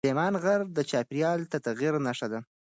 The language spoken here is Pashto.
سلیمان غر د چاپېریال د تغیر نښه ده.